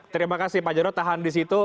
terima kasih pak jarod tahan disitu